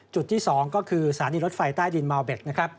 จุดที่๒ก็คือสถานีรถไฟใต้ดินมาลเบค